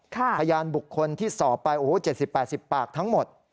พยานบุคคลที่สอบไป๗๐๘๐ปากทั้งหมด